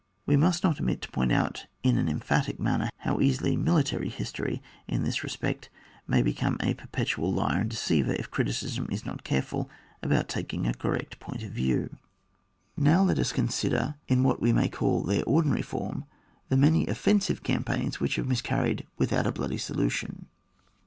We must not omit to point out in an emphatic manner how easily military histoiy in this respect may become a per petual liar and deceiver if criticism is not careful abouttaking a correct point of view. Let us now consider, in what we may call their ordinary form, the many offen sive campaigns which have miscarried without a bloody solution.